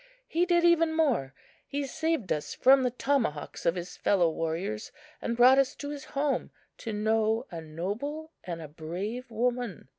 He did even more. He saved us from the tomahawks of his fellow warriors, and brought us to his home to know a noble and a brave woman.